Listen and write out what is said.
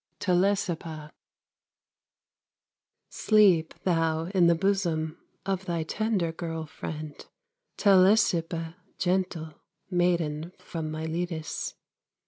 TELESIPPA Sleep thou in the bosom Of thy tender girl friend, Telesippa, gentle Maiden from Miletus.